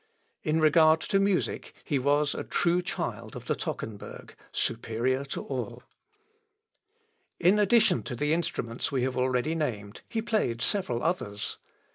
In regard to music, he was a true child of the Tockenburg, superior to all. In addition to the instruments we have already named, he played several others.